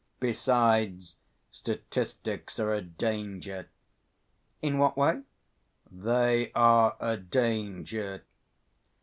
Besides, statistics are a danger." "In what way?" "They are a danger.